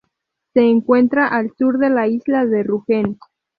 Se encuentra al sur de la isla de Rügen.